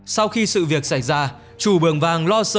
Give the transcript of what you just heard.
sau khi sự việc xảy ra chủ bường vàng lo sợ